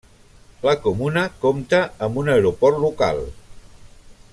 La comuna compta amb un aeroport local.